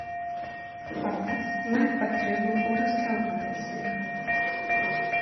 Палац мае патрэбу ў рэстаўрацыі.